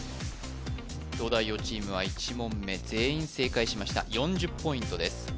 東大王チームは１問目全員正解しました４０ポイントです